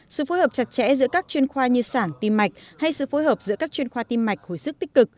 sự phối hợp chặt chẽ giữa các chuyên khoa như sản tim mạch hay sự phối hợp giữa các chuyên khoa tim mạch hồi sức tích cực